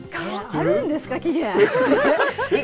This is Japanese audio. あるんですか、期限。